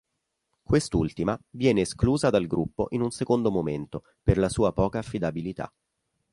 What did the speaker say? Quest'ultima viene esclusa dal gruppo in un secondo momento per la sua poca affidabilità.